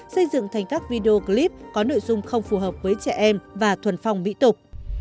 xây dựng thành các video clip có nội dung không phù hợp với trẻ em và thuần phong mỹ tục